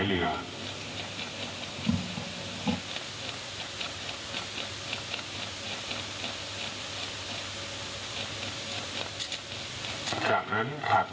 และเมืองกันไปทางเท่านั้น